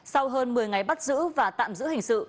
sau hơn một mươi ngày bắt giữ và tạm giữ hình sự